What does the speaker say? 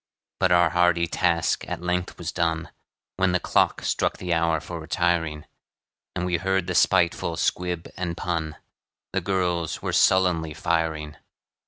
But our hearty task at length was done, When the clock struck the hour for retiring; And we heard the spiteful squib and pun The girls were sullenly firing.